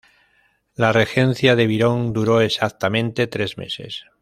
La regencia de Biron duró exactamente tres meses.